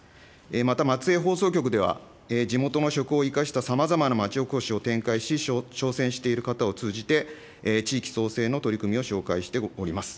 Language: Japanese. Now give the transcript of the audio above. また、松江放送局では、地元の食を生かしたさまざまな町おこしを展開し、挑戦している方を通じて、地域創生の取り組みを紹介しております。